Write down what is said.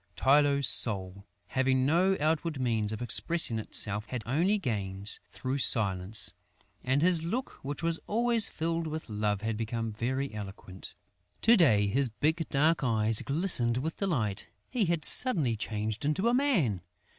Tylô's soul, having no outward means of expressing itself, had only gained through silence; and his look, which was always filled with love, had become very eloquent. To day his big dark eyes glistened with delight; he had suddenly changed into a man!